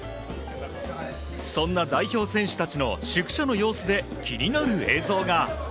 そんな代表選手たちの宿舎の様子で気になる映像が。